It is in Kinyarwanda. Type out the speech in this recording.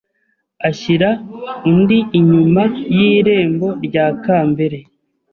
ashyira undi inyuma y’irembo rya kambere